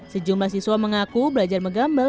sejumlah siswa mengaku belajar menggambal